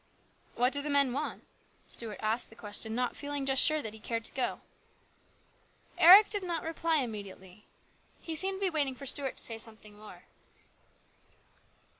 "What do the men want?" Stuart asked the question, not feeling just sure that he cared to go. Eric did not reply immediately. He seemed to be waiting for Stuart to say something more.